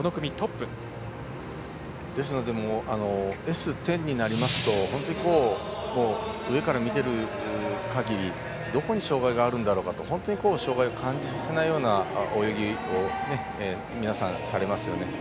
Ｓ１０になりますと本当に、上から見ている限りどこに障がいがあるんだろうかと本当に障がいを感じさせないような泳ぎを皆さん、されますよね。